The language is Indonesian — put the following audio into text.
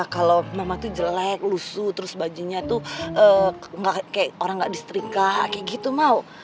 kalau mama tuh jelek lusu terus bajunya tuh kayak orang gak disetrika kayak gitu mau